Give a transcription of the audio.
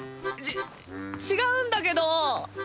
ち違うんだけど。